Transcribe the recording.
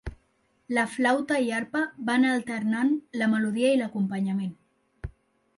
La flauta i arpa van alternant la melodia i l'acompanyament.